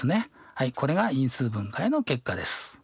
はいこれが因数分解の結果です。